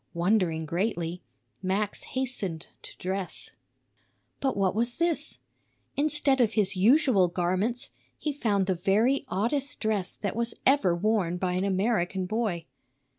Wondering greatly, Max hastened to dress. But what was this? Instead of his usual garments he found the very oddest dress that was ever worn by an American boy.